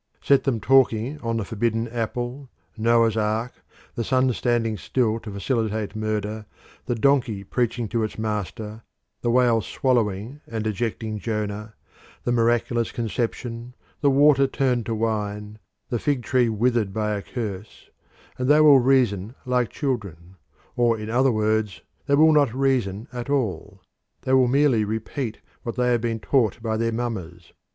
Set them talking on the forbidden apple, Noah's ark, the sun standing still to facilitate murder, the donkey preaching to its master, the whale swallowing and ejecting Jonah, the miraculous conception, the water turned to wine, the fig tree withered by a curse, and they will reason like children, or in other words they will not reason at all; they will merely repeat what they have been taught by their mammas.